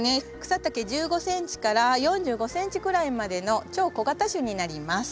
草丈１５ｃｍから４５ｃｍくらいまでの超小型種になります。